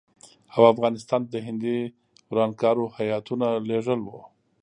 او افغانستان ته د هندي ورانکارو هیاتونه لېږل وو.